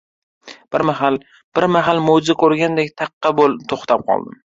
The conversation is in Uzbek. Bir mahal... bir mahal mo‘jiza ko‘rgandek taqqa to‘xtab qoldim.